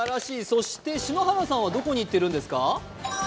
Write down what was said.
そして篠原さんとどこに行っているんですか？